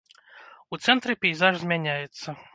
У цэнтры пейзаж змяняецца.